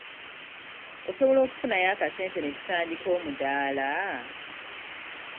Osobola okufunayo akasente ne tutandika omudaala?